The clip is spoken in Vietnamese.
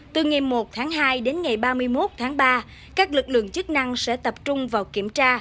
từ ngày một tháng hai đến ngày ba mươi một tháng ba các lực lượng chức năng sẽ tập trung vào kiểm tra